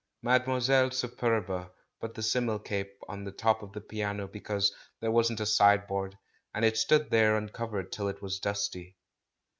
JNIademoiselle Superba put the simnel cake on the top of the piano, because there wasn't a sideboard, and it stood there uncovered till it was dusty.